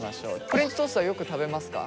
フレンチトーストはよく食べますか？